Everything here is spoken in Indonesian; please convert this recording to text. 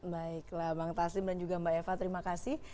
baiklah bang taslim dan juga mbak eva terima kasih